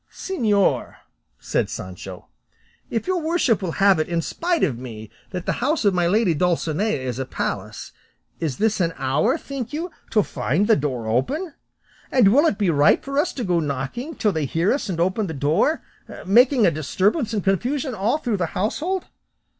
"Señor," said Sancho, "if your worship will have it in spite of me that the house of my lady Dulcinea is a palace, is this an hour, think you, to find the door open; and will it be right for us to go knocking till they hear us and open the door; making a disturbance and confusion all through the household?